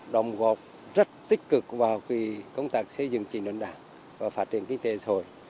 đồng góp rất tích cực vào công tác xây dựng trị nội đảng và phát triển kinh tế xã hội